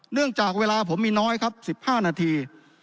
เนื่องจากเวลาผมมีน้อยครับ๑๕นาที